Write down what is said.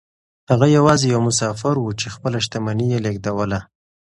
هغه يوازې يو مسافر و چې خپله شتمني يې لېږدوله.